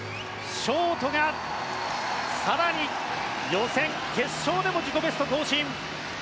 ショートが更に予選、決勝でも自己ベスト更新。